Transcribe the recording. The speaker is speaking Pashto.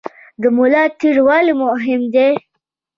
د ملا تیر ولې مهم دی؟